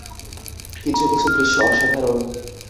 কিছু কিছু দৃশ্য অসাধারণ।